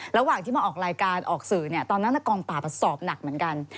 ระหว่างที่มาออกรายการออกสื่อตอนนั้นกองปราบสอบหนักเหมือนกัน